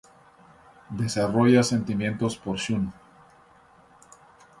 Desarrolla sentimientos por Shun.